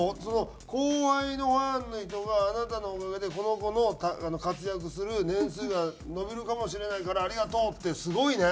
でもその後輩のファンの人が「あなたのおかげでこの子も活躍する年数が延びるかもしれないからありがとう」ってすごいね。